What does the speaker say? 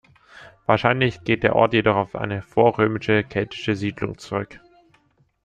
Wahrscheinlich geht der Ort jedoch auf eine vorrömische keltische Siedlung zurück.